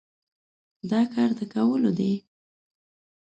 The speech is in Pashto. دا کار د کولو دی؟